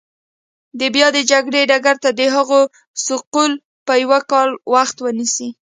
د بیا د جګړې ډګر ته د هغوی سوقول به یو کال وخت ونیسي.